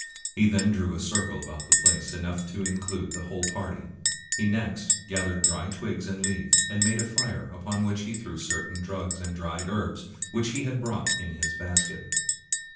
He then drew a circle about the place, enough to include the whole party. He next gathered dry twigs and leaves and made a fire, upon which he threw certain drugs and dried herbs which he had brought in his basket.